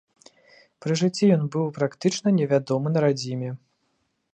Пры жыцці ён быў практычна невядомы на радзіме.